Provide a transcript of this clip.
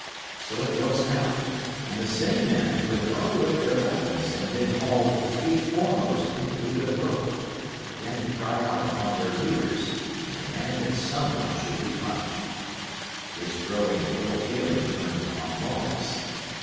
So it was now; and the same men who had thrown away their weapons and been hauled, feet foremost, into the Good Hope, began to cry out upon their leaders, and demand that someone should be punished. This growing ill feeling turned upon Lawless.